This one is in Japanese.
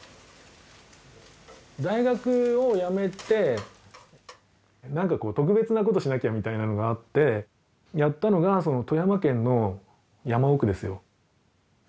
大学をやめてなんか特別なことしなきゃみたいなのがあってやったのがその富山県の山奥ですよ。